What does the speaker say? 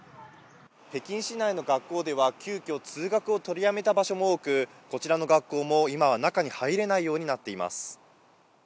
北京市内の学校では、急きょ、通学を取りやめた場所も多く、こちらの学校も、今は中に入れないようになっています。